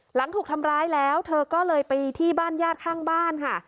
หลังถูกทำร้ายแล้วเธอก็เลยไปที่บ้านญาติข้างบ้านค่ะ